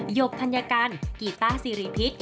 หยบธัญกัณฑ์กีต้าซีรีย์พิษ